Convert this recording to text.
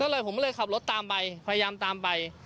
ก็เลยผมก็เลยขับรถตามไปพยายามตามไป